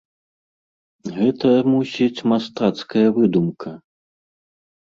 Гэта, мусіць, мастацкая выдумка.